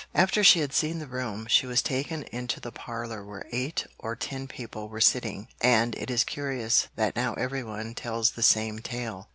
After she had seen the room, she was taken into the parlour where eight or ten people were sitting, and it is curious that now everyone tells the same tale.